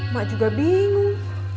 mak juga bingung